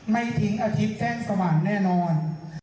ไม่ทิ้งอธิบจ้างสว่างแน่นอน